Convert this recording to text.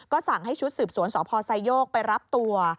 สั่งให้ชุดสืบสวนสพไซโยกไปรับตัว